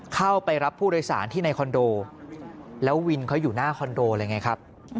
เข้าไปรับผู้โดยสารที่ในคอนโดแล้ววินเขาอยู่หน้าคอนโดเลยไงครับ